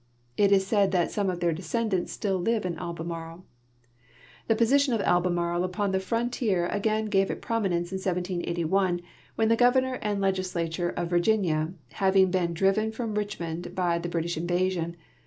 It is said that some of their descendants still live in Albemarle. 'I'he position of Albemarle u[)on the frontier again gave it prondnence in 1781, when the governor and legislature of \drginia having be<m driven from Bichmond by the British invasion